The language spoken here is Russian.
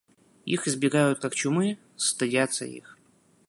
Их избегают как чумы, стыдятся их.